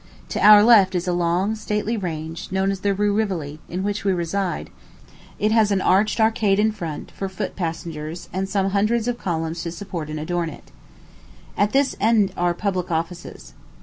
To our left is a long, stately range, known as the Rue Rivoli, in which we reside; it has an arched arcade in front; for foot passengers, and some hundreds of columns to support and adorn it. At this end of it are public offices.